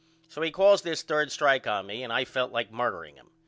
So he calls this 3d strike on me and I felt like murdering him.